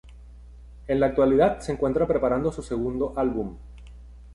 En la actualidad se encuentran preparando su segundo álbum.